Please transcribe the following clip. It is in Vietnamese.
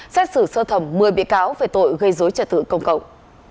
xét xử sơ thẩm một mươi bị cáo về tội gây dối trật tự công cộng